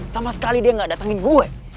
sama sekali dia nggak datangin gue